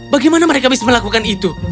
bagaimana mereka bisa melakukan itu